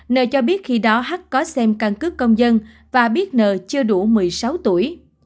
nợ cho biết khi đó hát có xem căn cướp công dân và biết nợ chưa đủ một mươi sáu tuổi